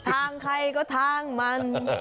ทางใครก็ทางมัน